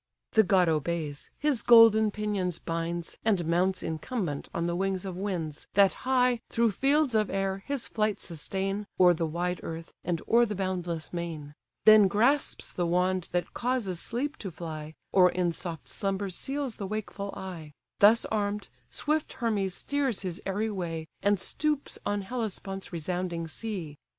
The god obeys, his golden pinions binds, And mounts incumbent on the wings of winds, That high, through fields of air, his flight sustain, O'er the wide earth, and o'er the boundless main; Then grasps the wand that causes sleep to fly, Or in soft slumbers seals the wakeful eye: Thus arm'd, swift Hermes steers his airy way, And stoops on Hellespont's resounding sea.